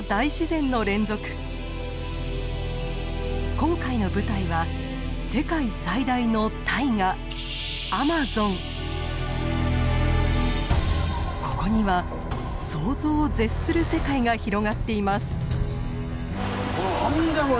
今回の舞台は世界最大のここには想像を絶する世界が広がっています。